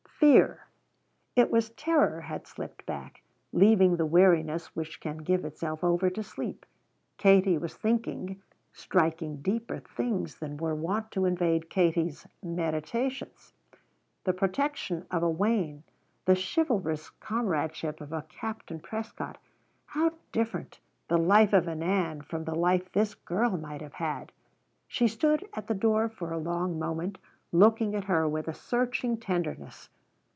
Fear. It was terror had slipped back, leaving the weariness which can give itself over to sleep. Katie was thinking, striking deeper things than were wont to invade Katie's meditations. The protection of a Wayne, the chivalrous comradeship of a Captain Prescott how different the life of an Ann from the life this girl might have had! She stood at the door for a long moment, looking at her with a searching tenderness.